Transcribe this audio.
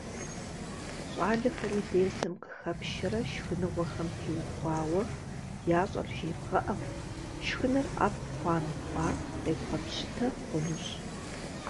Щӏалэхэри дерсым къыхэпшэрэ шхыныгъуэхэм теухуауэ ящӏэр жебгъэӏэу, шхыныр ӏэфӏ хъуа-мыхъуа къебгъэпщытэ хъунущ.